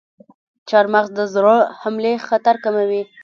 چارمغز د زړه حملې خطر کموي.